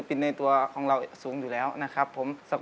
ปันปันเคยเห็นแม่แล้วใช่ไหมลูก